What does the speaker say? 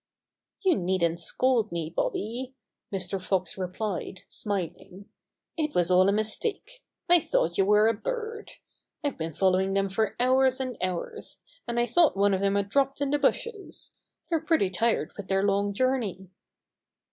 "You needn't scold me, Bobby," Mr. Fox replied, smiling. "It was all a mistake. I thought you were a bird. I've been following them for hours and hours, and I thought one of them had dropped in the bushes. They're pretty tired with their long journey."